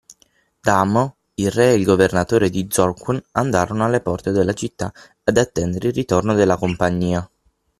Dalmor, il Re e il Governatore di Zorqun andarono alle porte della città ad attendere il ritorno della compagnia.